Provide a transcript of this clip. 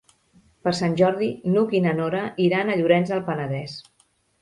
Per Sant Jordi n'Hug i na Nora iran a Llorenç del Penedès.